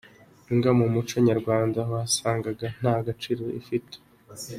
Imbwa mu muco nyarwanda wasangaga nta gaciro ifite.